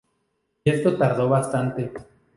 Y esto tardó bastante.